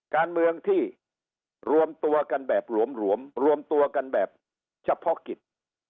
การเมืองที่รวมตัวกันแบบหลวมรวมตัวกันแบบเฉพาะกิจ